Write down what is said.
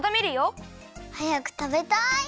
はやくたべたい！